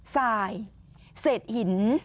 สายเศษหิน